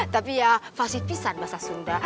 tapi ya fasid pisang bahasa sunda